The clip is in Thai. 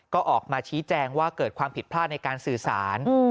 ก็ออกมาชี้แจงว่าเกิดความผิดพลาดในการสื่อสาร